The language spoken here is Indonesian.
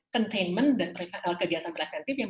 containment dan kegiatan preventif yang